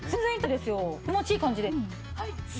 むしろ気持ちいい感じです。